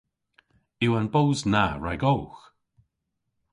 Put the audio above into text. Yw an boos na ragowgh?